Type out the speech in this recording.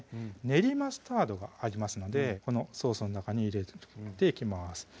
練りマスタードがありますのでこのソースの中に入れていきます